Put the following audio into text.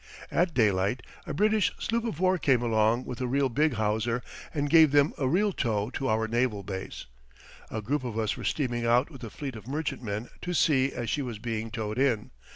At daylight a British sloop of war came along with a real big hawser and gave them a real tow to our naval base. A group of us were steaming out with a fleet of merchantmen to sea as she was being towed in.